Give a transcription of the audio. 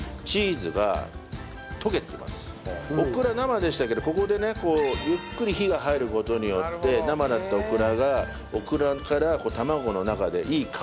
オクラ生でしたけどここでねゆっくり火が入る事によって生だったオクラがオクラから卵の中でいい香りが移っていきます。